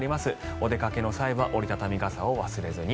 お出かけの際は折り畳み傘を忘れずに。